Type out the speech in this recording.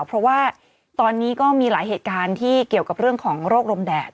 เพราะว่าตอนนี้ก็มีหลายเหตุการณ์ที่เกี่ยวกับเรื่องของโรคลมแดด